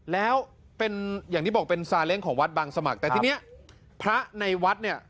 แล้วเป็นอย่างที่บอกเป็นซาเล้งของวัดบางสมัครแต่ทีนี้พระในวัดเนี่ย